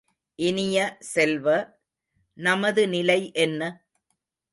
இனிய செல்வ, நமது நிலை என்ன?